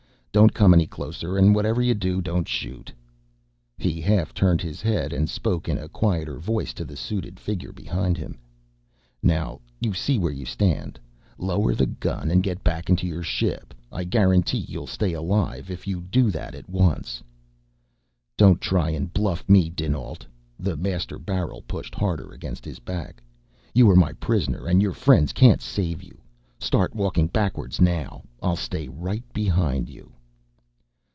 "Don't come any closer and whatever you do don't shoot." He half turned his head and spoke in a quieter voice to the suited figure behind him. "Now you see where you stand. Lower the gun and get back into your ship, I guarantee you'll stay alive if you do that at once." "Don't try and buff me, dinAlt," the maser barrel pushed harder against his back. "You are my prisoner and your friends can't save you. Start walking backwards now I'll stay right behind you."